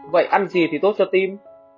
vậy ăn gì thì tốt cho tim